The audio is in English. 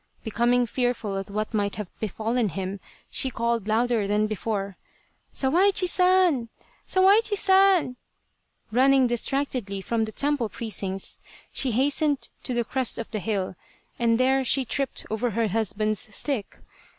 Becoming fearful of what might have befallen him, she called louder than before :" Sawaichi San ! Sawaichi San !" Running distractedly from the temple precincts, she hastened to the crest of the hill, and there she tripped 171 Tsubosaka over her husband's stick.